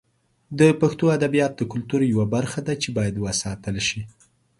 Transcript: د پښتو ادبیات د کلتور یوه برخه ده چې باید وساتل شي.